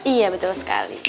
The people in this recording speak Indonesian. iya betul sekali